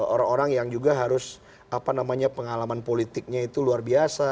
orang orang yang juga harus apa namanya pengalaman politiknya itu luar biasa